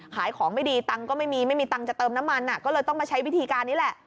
ขายของไม่ดีตังค์ก็ไม่มีไม่มีตังค์จะเติมน้ำมันก็เลยต้องมาใช้วิธีการนี้แหละ